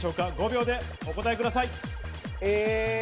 ５秒でお答えください。